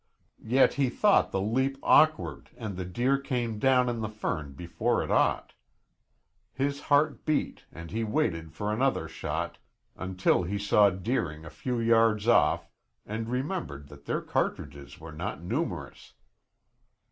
Yet he thought the leap awkward and the deer came down in the fern before it ought. His heart beat and he waited for another shot, until he saw Deering a few yards off and remembered that their cartridges were not numerous.